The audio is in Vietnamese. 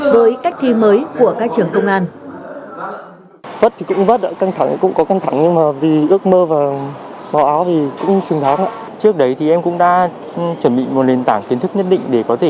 với cách thi mới của các trường công an